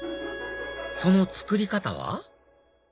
その作り方は？